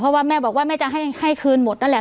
เพราะว่าแม่บอกว่าแม่จะให้คืนหมดนั่นแหละ